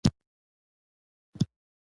يا به يې په مقابل کې دې لور را کوې.